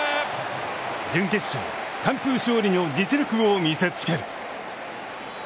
準決勝、完封勝利の実力を見せつける。